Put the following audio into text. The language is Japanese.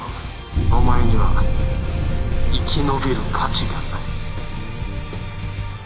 お前には生き延びる価値がない